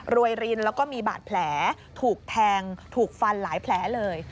รินแล้วก็มีบาดแผลถูกแทงถูกฟันหลายแผลเลย